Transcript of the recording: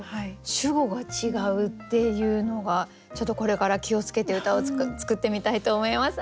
主語が違うっていうのがちょっとこれから気をつけて歌を作ってみたいと思います。